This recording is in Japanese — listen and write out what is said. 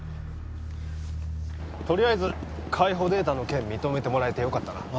とりあえず海保データの件認めてもらえてよかったなあ